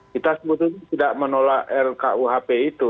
kita sebetulnya tidak menolak rkuhp itu